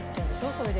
それで。